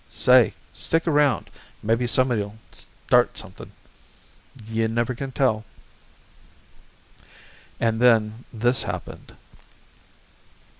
Say, stick around. Maybe somebody'll start something. You can't never tell." And then this happened.